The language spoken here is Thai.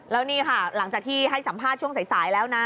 แล้วนี่ค่ะหลังจากที่ให้สัมภาษณ์ช่วงสายแล้วนะ